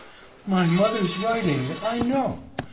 "My mother's writing, I know!